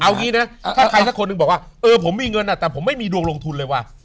เอางี้นะถ้าใครสักคนหนึ่งบอกว่าเออผมมีเงินแต่ผมไม่มีดวงลงทุนเลยว่ะ